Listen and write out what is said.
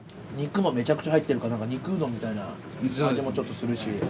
肉もめちゃくちゃ入ってるから肉うどんみたいな味もちょっとするし。